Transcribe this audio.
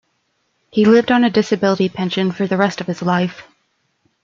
He lived on a disability pension for the rest of his life.